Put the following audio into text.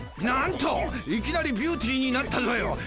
なんといきなりビューティーになったぞよ！